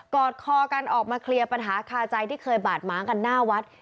อดคอกันออกมาเคลียร์ปัญหาคาใจที่เคยบาดหมางกันหน้าวัด